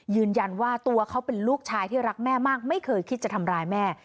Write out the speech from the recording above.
ยืนยันว่าตัวเขาเป็นลูกชายที่รักแม่มากไม่เคยคิดจะทำร้ายแม่